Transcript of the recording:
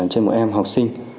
trên một em học sinh